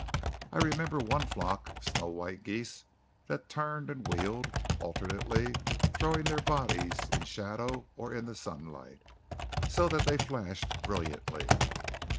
I remember one flock of snow white geese that turned and wheeled, alternately throwing their bodies in shadow or in the sunlight, so that they flashed brilliantly.